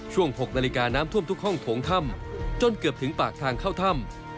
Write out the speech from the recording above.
๖นาฬิกาน้ำท่วมทุกห้องโถงถ้ำจนเกือบถึงปากทางเข้าถ้ำ